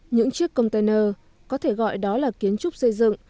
những chiếc container có thể gọi đó là kiến trúc xây dựng